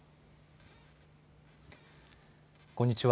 こんにちは。